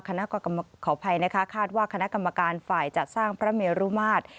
ขออภัยนะคะคาดว่าคณะกรรมการฝ่ายจัดสร้างพระเมรุมาตร